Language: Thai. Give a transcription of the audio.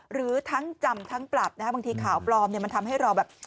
หรือทั้งจำทั้งปรับนะฮะบางทีข่าวปลอมเนี่ยมันทำให้เราแบบ